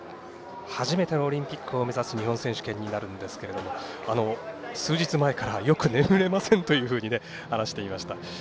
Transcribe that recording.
初めてのオリンピックを目指す日本選手権となりますが数日前からよく眠れませんと話していました。